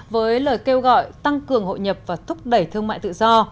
với lời kêu gọi tăng cường hội nhập và thúc đẩy thương mại tự do